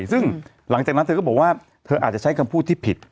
ซึ่งหลังจากนั้นเธอก็บอกว่าเธออาจจะใช้คำพูดที่ผิด